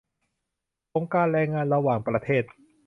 องค์การแรงงานระหว่างประเทศ